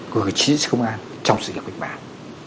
của vị trí công an trong sự nghiệp khách mạng